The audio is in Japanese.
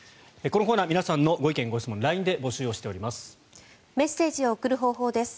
このコーナー皆さんのご意見・ご質問をＬＩＮＥで募集しています。